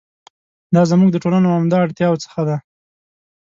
دا زموږ د ټولنو عمده اړتیاوو څخه دي.